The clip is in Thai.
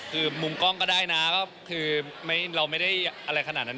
คือมุมกล้องก็ได้นะก็คือเราไม่ได้อะไรขนาดนั้น